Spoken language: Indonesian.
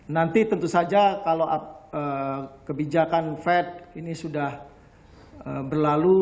nanti tentu saja kalau kebijakan fed ini sudah berlalu